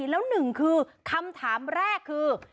แล้วหนึ่งคือคำถามแรกคือ